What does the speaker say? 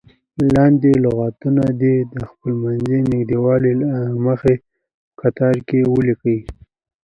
لاندې لغتونه دې د خپلمنځي نږدېوالي له مخې په کتار کې ولیکئ.